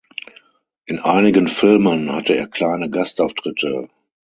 In einigen Filmen hatte er kleine Gastauftritte.